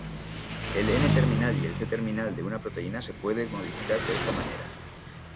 El N-terminal y el C-terminal de una proteína se puede modificar de esta manera.